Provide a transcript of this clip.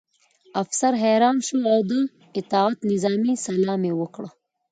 افسر حیران شو او د اطاعت نظامي سلام یې وکړ